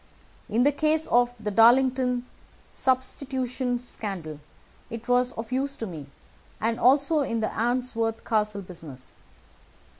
In the case of the Darlington Substitution Scandal it was of use to me, and also in the Arnsworth Castle business.